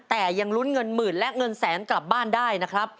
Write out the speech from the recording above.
แต่ยังลุ้นเงินหมื่นและเงินแสนกลับบ้านได้นะครับ